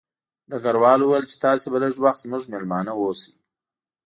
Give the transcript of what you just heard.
ډګروال وویل چې تاسې به لږ وخت زموږ مېلمانه اوسئ